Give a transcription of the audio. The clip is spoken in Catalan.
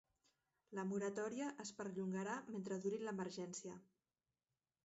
La moratòria es perllongarà mentre duri l'emergència.